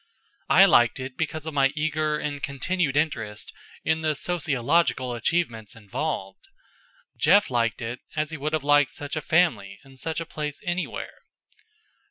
I liked it because of my eager and continued interest in the sociological achievements involved. Jeff liked it as he would have liked such a family and such a place anywhere.